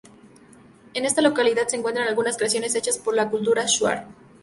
En esta localidad, se encuentran algunas creaciones hechas por la cultura shuar.